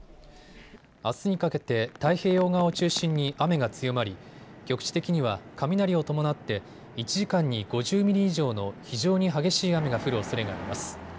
あすにかけて太平洋側を中心に雨が強まり局地的には雷を伴って１時間に５０ミリ以上の非常に激しい雨が降るおそれがあります。